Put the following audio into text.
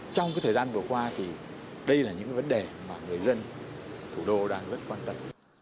trong thời gian vừa qua thì đây là những vấn đề mà người dân thủ đô đang rất quan tâm